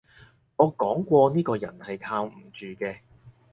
我講過呢個人係靠唔住嘅